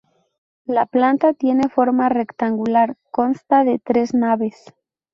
La planta tiene forma rectangular, consta de tres naves.